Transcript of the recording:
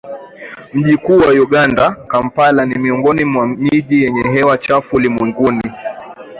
Mji mkuu wa Uganda, Kampala ni miongoni mwa miji yenye hewa chafu ulimwenguni